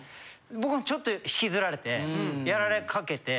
僕もちょっと引きずられてやられかけて。